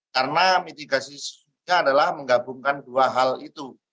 karena mitigasi sesungguhnya adalah menggabungkan dua hal itu